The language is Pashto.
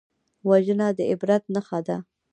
وژنه د عبرت نښه ده